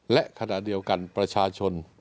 และขณะเดียวกันประชาชน